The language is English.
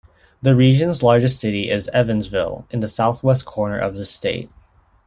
The region's largest city is Evansville, in the southwest corner of the state.